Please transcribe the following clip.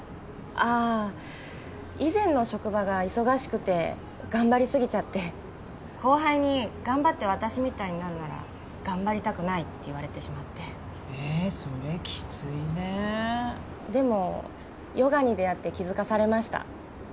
ああ以前の職場が忙しくて頑張りすぎちゃって後輩に頑張って私みたいになるなら頑張りたくないって言われてしまってええそれキツいねでもヨガに出会って気づかされました